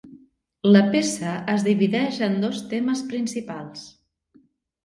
La peça es divideix en dos temes principals.